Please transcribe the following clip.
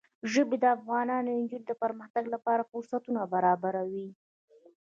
ژبې د افغان نجونو د پرمختګ لپاره فرصتونه برابروي.